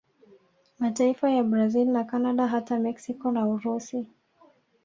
Mataifa ya Brazil na Canada hata Mexico na Urusi